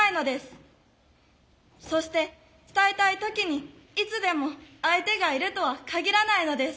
そして伝えたい時にいつでも相手がいるとはかぎらないのです。